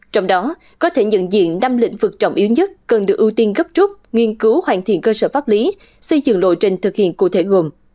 trong đó có thể nhận diện năm lĩnh vực trọng yếu nhất cần được ưu tiên gấp trúc nghiên cứu hoàn thiện cơ sở pháp lý xây dựng lộ trình thực hiện cụ thể gồm